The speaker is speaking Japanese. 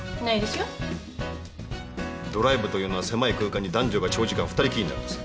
ドライブというのは狭い空間に男女が長時間二人きりになるんです。